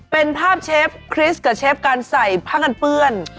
เป็นภาพเชฟคริสกับเชฟการใส่ผ้ากันเปื้อน